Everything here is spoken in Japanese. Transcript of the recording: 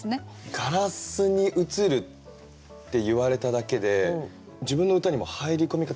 「ガラスに映る」って言われただけで自分の歌にも入り込み方